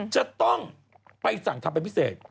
จะต้องไปสั่งทำเป็นพิเศษ